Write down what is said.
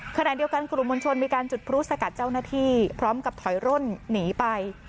ขณะเดียวกันกลุ่มมวลชนมีการจุดพลุสกัดเจ้าหน้าที่พร้อมกับถอยร่นหนีไป